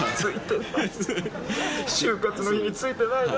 就活の日についてないね。